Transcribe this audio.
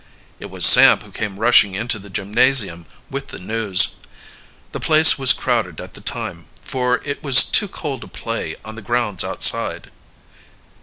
It was Sam who came rushing into the gymnasium with the news. The place was crowded at the time, for it was too cold to play on the grounds outside.